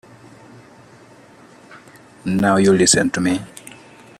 Now you listen to me.